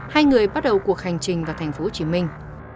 hai người bắt đầu cuộc hành trình vào thành phố hồ chí minh